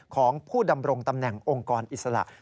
ของผู้ดำรงตำแหน่งองค์กรอิสระ